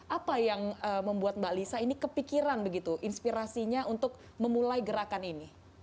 apa yang membuat mbak lisa ini kepikiran begitu inspirasinya untuk memulai gerakan ini